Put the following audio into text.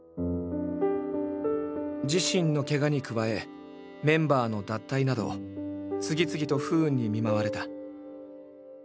自身のけがに加えメンバーの脱退など次々と不運に見舞われた。